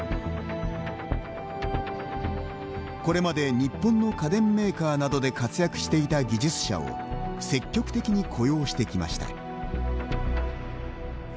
これまで日本の家電メーカーなどで活躍していた技術者を積極的に雇用してきました。